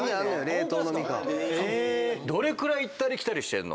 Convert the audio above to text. どれくらい行ったり来たりしてんの？